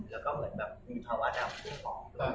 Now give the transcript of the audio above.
แล้วก็เหมือนความวัดอ่ามคุ้มของ